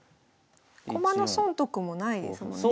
駒の損得もないですもんね。